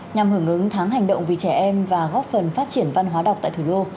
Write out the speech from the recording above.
nhằm hưởng ứng tháng hành động vì trẻ em và góp phần phát triển văn hóa đọc tại thủ đô